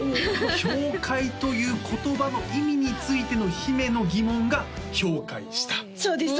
「氷解」という言葉の意味についての姫の疑問が氷解したそうです